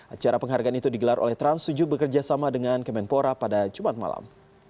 acara penghargaan itu digelar oleh trans tujuh bekerjasama dengan kemenpora pada jumat malam